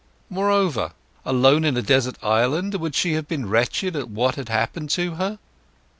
Moreover, alone in a desert island would she have been wretched at what had happened to her?